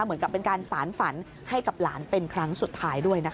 เหมือนกับเป็นการสารฝันให้กับหลานเป็นครั้งสุดท้ายด้วยนะคะ